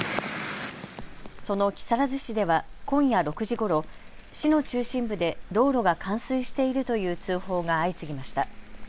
その木更津市では今夜６時ごろ、市の中心部で道路が冠水しているという通報が相次ぎました。